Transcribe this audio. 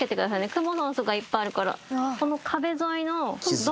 クモの巣がいっぱいあるから。